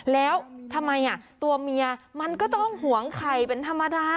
แล้วทำไมตัวเมียมันก็ต้องหวงไข่เป็นธรรมดา